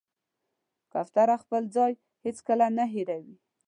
کوتره خپل ځای هېڅکله نه هېروي.